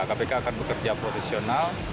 kpk akan bekerja profesional